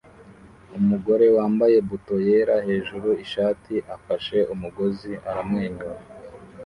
Umugore wambaye buto yera hejuru ishati afashe umugozi aramwenyura